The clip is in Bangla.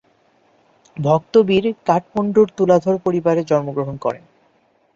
ভক্ত বীর কাঠমান্ডুর তুলাধর পরিবারে জন্মগ্রহণ করেন।